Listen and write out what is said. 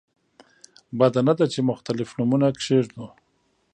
بده نه ده چې مختلف نومونه کېږدو.